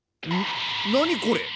何これ？